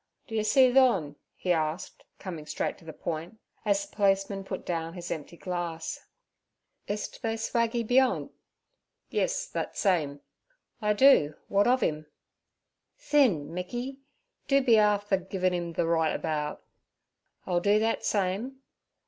'D'ye see thon?' he asked, coming straight to the point, as the policeman put down his empty glass. 'Is't they swaggie beyant?' 'Yis, that same.' 'I do; what ov 'im?' 'Thin, Micky, do be afther givin' 'im ther roight about.' 'I'll do that same.'